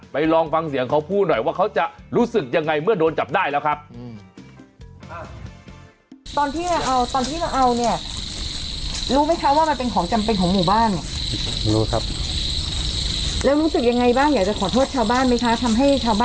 ลองฟังเสียงเขาพูดหน่อยว่าเขาจะรู้สึกยังไงเมื่อโดนจับได้แล้วครับ